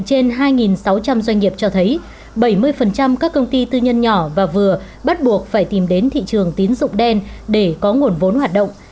trên hai sáu trăm linh doanh nghiệp cho thấy bảy mươi các công ty tư nhân nhỏ và vừa bắt buộc phải tìm đến thị trường tín dụng đen để có nguồn vốn hoạt động